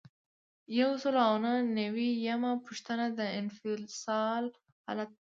یو سل او نهه نوي یمه پوښتنه د انفصال حالت دی.